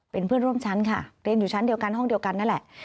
เป็นเพื่อนร่วมชั้นค่ะเรียนอยู่ชั้นเดียวกันห้องเดียวกันนั่นแหละ